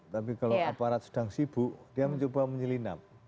tapi kalau aparat sedang sibuk dia mencoba menyelinap